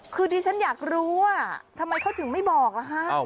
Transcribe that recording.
คือดิฉันอยากรู้ว่าทำไมเขาถึงไม่บอกล่ะฮะ